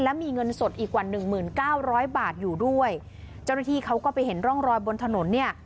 และมีเงินสดอีกกว่าหนึ่งหมื่นเก้าร้อยบาทอยู่ด้วยเจ้าหน้าที่เขาก็ไปเห็นร่องรอยบนถนนเนี่ย